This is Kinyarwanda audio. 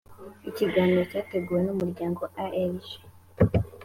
ikiganiro cyateguwe n’umuryango aerg